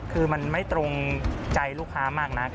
คือมันไม่ตรงใจลูกค้ามากนัก